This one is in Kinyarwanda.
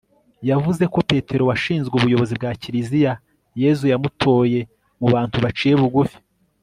yavuze ko petero washinzwe ubuyobozi bwa kiliziya, yezu yamutoye mu bantu baciye bugufi